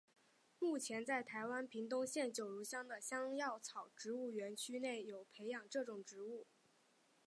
目前在台湾屏东县九如乡的香药草植物园区内有培植这种植物。